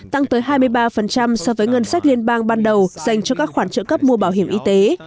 tăng tới hai mươi ba so với ngân sách liên bang ban đầu dành cho các khoản trợ cấp mua bảo hiểm y tế